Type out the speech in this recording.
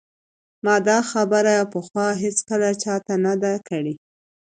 ما دا خبره پخوا هیڅکله چا ته نه ده کړې